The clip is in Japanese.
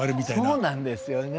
そうなんですよね。